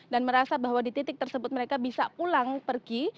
dan merasa bahwa di titik tersebut mereka bisa pulang pergi